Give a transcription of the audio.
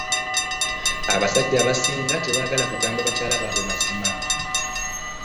Abasajja abasing tebaagala kugamba bakyala baabwe mazima.